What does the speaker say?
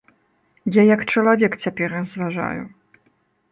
Я як чалавек цяпер разважаю.